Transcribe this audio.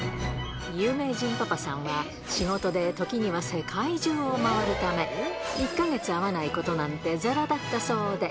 有名人パパさんは、仕事で時には世界中を回るため、１か月会わないことなんてざらだったそうで。